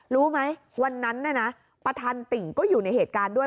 รู้ไหมวันนั้นประธานติ่งก็อยู่ในเหตุการณ์ด้วย